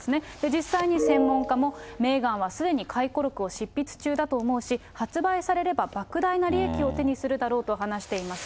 実際に専門家も、メーガンはすでに回顧録を執筆中だと思うし、発売されればばく大な利益を手にするだろうと話しています。